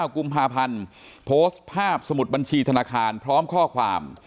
กุมภาพันธ์โพสต์ภาพสมุดบัญชีธนาคารพร้อมข้อความ